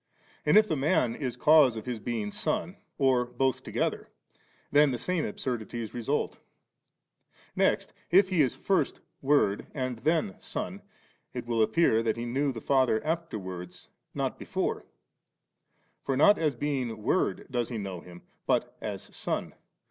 And if the Man is cause of His being Son, or both together, then the same absurdities result Next, if He is first Word and then Son, it will appear that He knew the Father afterwards, not before ; for not as being Word does He know Him, but as Son.